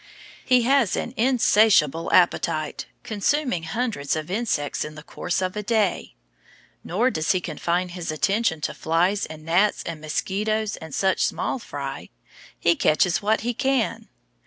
He has an insatiable appetite, consuming hundreds of insects in the course of a day. Nor does he confine his attention to flies and gnats and mosquitoes and such small fry. He catches what he can.